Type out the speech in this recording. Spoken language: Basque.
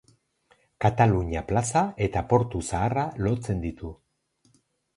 Katalunia plaza eta Portu Zaharra lotzen ditu.